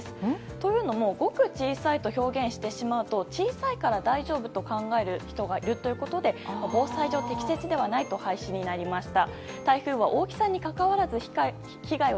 というのもごく小さいと表現してしまうと小さいと大丈夫と考える人がいるということで防災上、適切ではないと廃止になりました。